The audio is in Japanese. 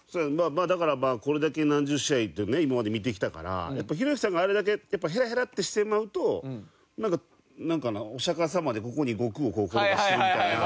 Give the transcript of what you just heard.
まあだからまあこれだけ何十試合とね今まで見てきたからひろゆきさんがあれだけやっぱヘラヘラってしてまうとなんかなんかなお釈迦様でここに悟空をこう転がしてるみたいな。